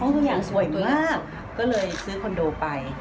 ห้องตัวอย่างสวยมากก็เลยซื้อคอนโดไป